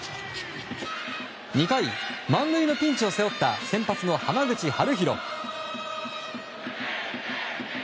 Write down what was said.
２回、満塁のピンチを背負った先発の濱口遥大。